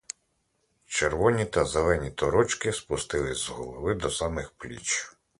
Червоні та зелені торочки спустились з голови до самих пліч.